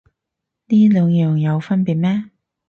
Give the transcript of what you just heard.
呢兩樣有分別咩